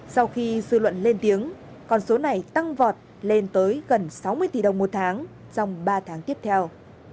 sau khi dư luận lên tiếng còn số này tăng vọt lên tới gần sáu mươi tỷ đồng một tháng trong ba tháng tiếp theo